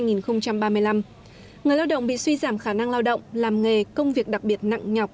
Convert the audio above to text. người lao động bị suy giảm khả năng lao động làm nghề công việc đặc biệt nặng nhọc